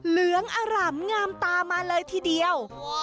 เหลืองอร่ำงามตามาเลยทีเดียว